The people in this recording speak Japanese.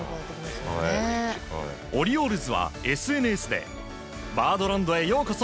オリオールズはＳＮＳでバードランドへようこそ！